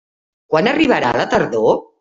Quan arribarà la tardor?